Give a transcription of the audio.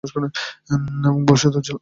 এবং ভবিষ্যত উজ্জ্বল।